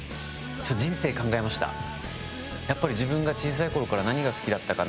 やっぱり自分が小さい頃から何が好きだったかな？